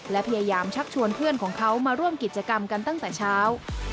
และพยายามชักชวนเพื่อนของเขามาร่วมกิจกรรมกันตั้งแต่เช้า